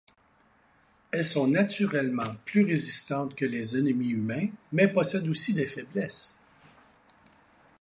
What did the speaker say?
Elles sont naturellement plus résistantes que les ennemis humains mais possèdent aussi des faiblesses.